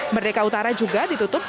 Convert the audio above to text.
merdeka utara juga ditutup